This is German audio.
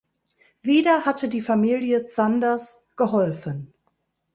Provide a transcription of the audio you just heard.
Wieder hatte die Familie Zanders geholfen.